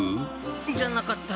じゃなかった。